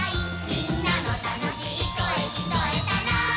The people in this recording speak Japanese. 「みんなのたのしいこえきこえたら」